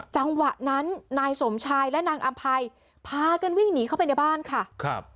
จังหวะนั้นนายสมชายและนางอำภัยพากันวิ่งหนีเข้าไปในบ้านค่ะครับ